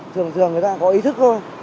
thường thường người ta có ý thức thôi